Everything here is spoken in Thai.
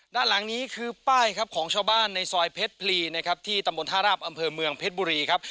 ด้านหลังนี้คือป้ายครับของชาวบ้านในซอยเพชรพลีนะครับที่ตำบลท่าราบอำเภอเมืองเพชรบุรีครับ